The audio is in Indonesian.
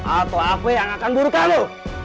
aku apa yang akan buru kamu